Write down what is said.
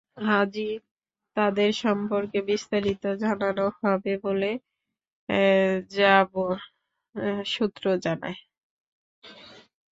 আজই তাদের সম্পর্কে বিস্তারিত জানানো হবে বলে র্যাব সূত্র জানায়।